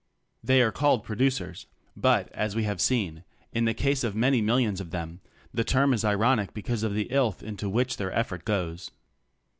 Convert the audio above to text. They are called producers, but, as we have seen, in the case of many millions of them the term is ironic because of the "illth" into which their effort goes.